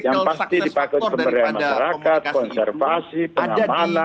yang pasti dipakai pemerintah masyarakat konservasi pengamanan dan penelitian